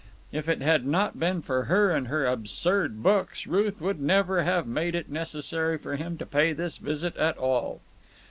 If it had not been for her and her absurd books Ruth would never have made it necessary for him to pay this visit at all.